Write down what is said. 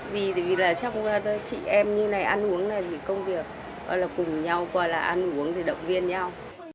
vì là trong chị em như này ăn uống này thì công việc gọi là cùng nhau gọi là ăn uống thì động viên nhau